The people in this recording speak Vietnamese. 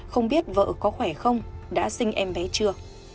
không biết vợ có khỏe không đã sinh em bé chưa